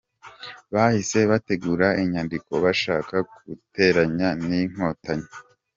Bahise bategura inyandiko bashaka kunteranya n’Inkotanyi.